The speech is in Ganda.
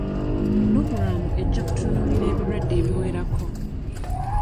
Pulogulaamu ejja kutunuulira ebirwadde ebiwerako.